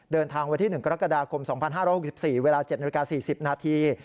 เดินทางวันที่๑กรกฎาคม๒๕๖๔เวลา๗นาฬิกา๔๐นาที